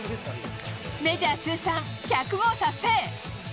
メジャー通算１００号達成。